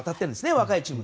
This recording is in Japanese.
若いチーム。